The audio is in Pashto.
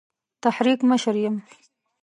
تحریک مشر یم.